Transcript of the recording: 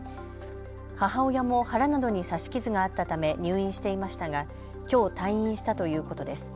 母親も腹などに刺し傷があったため入院していましたがきょう、退院したということです。